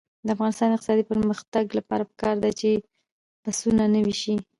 د افغانستان د اقتصادي پرمختګ لپاره پکار ده چې بسونه نوي شي.